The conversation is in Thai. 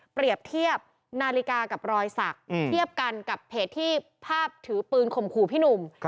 เปรียบเทียบนาฬิกากับรอยสักเทียบกันกับเพจที่ภาพถือปืนข่มขู่พี่หนุ่ม